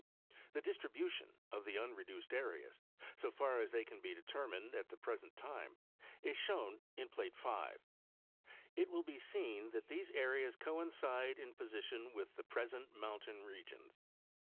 The distribution of the unreduced areas, so far as they can be determined at the present time, is shown in plate 5. It will be seen that these areas coincide in position with the present mountain regions.